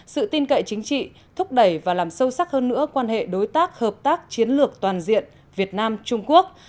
sự tin cậy chính trị thúc đẩy và làm sâu sắc hơn nữa quan hệ đối tác hợp tác chiến lược toàn diện việt nam trung quốc